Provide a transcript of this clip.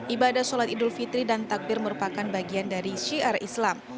ibadah sholat idul fitri dan takbir merupakan bagian dari syiar islam